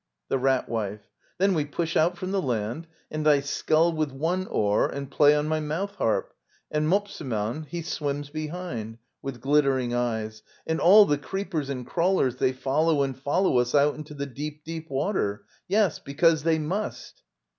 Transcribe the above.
^ The Rat Wife. Then we push out from the land. And I scull with one oar and play on my mouth harp. And Mopseman, he swims behind. [With glittering eyes.] And all the creepers and crawlers, they follow and follow us out into the deep, deep water. Yes, because they must!